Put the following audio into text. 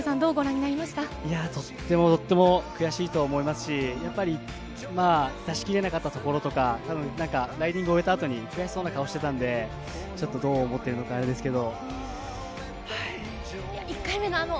とってもとっても悔しいと思いますし、出し切れなかったところとか、ライディングを終えた後に悔しそうな顔をしていたので、どう思っているのか、あれですけれど。